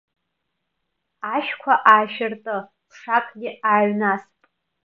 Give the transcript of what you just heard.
Ашәқәа аашәырты, ԥшакгьы ааҩнасп.